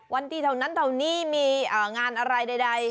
วันที่เท่านั้นเท่านี้มีงานอะไรใด